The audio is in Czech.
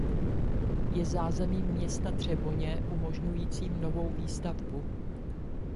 Je zázemím města Třeboně umožňujícím novou výstavbu.